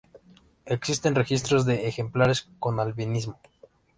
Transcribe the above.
Existen registros de ejemplares con albinismo.